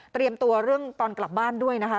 ตัวเรื่องตอนกลับบ้านด้วยนะคะ